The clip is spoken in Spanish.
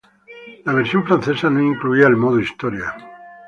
La versión francesa no incluía el modo historia.